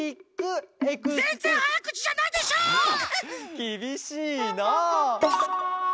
きびしいな！